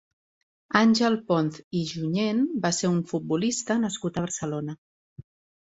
Àngel Ponz i Junyent va ser un futbolista nascut a Barcelona.